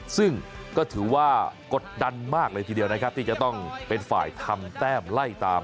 ซึ่งก็ถือว่ากดดันมากเลยทีเดียวนะครับที่จะต้องเป็นฝ่ายทำแต้มไล่ตาม